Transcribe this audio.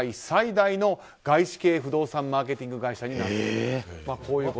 最大の外資系不動産マーケティング会社にと。